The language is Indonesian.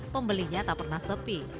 pembelinya tak pernah sepi